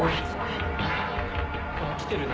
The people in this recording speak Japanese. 来てるな。